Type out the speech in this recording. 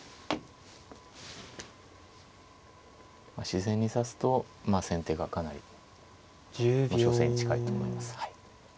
自然に指すとまあ先手がかなり勝勢に近いと思います。